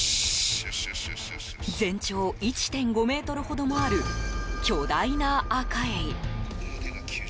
全長１．５ｍほどもある巨大なアカエイ。